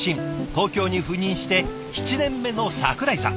東京に赴任して７年目の桜井さん。